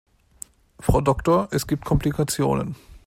Frau Doktor, es gibt Komplikationen.